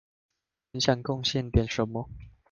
很想貢獻點什麼